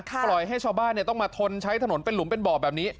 ปล่อยให้ชาวบ้านต้องมาทนใช้ถนนเป็นหลุมเป็นบ่อแบบนี้